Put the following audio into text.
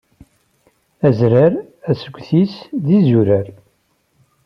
Azrar asget-is d izurar.